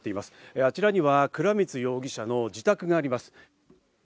あちらには倉光容疑者の自宅があります。